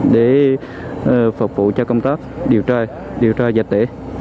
để phục vụ cho công tác điều tra dịch tễ